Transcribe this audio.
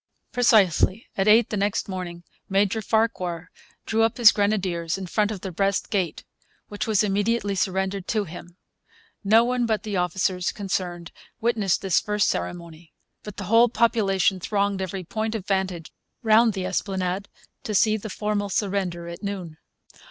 Precisely at eight the next morning Major Farquhar drew up his grenadiers in front of the West Gate, which was immediately surrendered to him. No one but the officers concerned witnessed this first ceremony. But the whole population thronged every point of vantage round the Esplanade to see the formal surrender at noon.